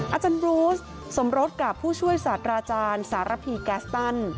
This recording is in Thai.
อาจารย์บรูสสมรสกับผู้ช่วยศาสตราจารย์สารพีแก๊สตัน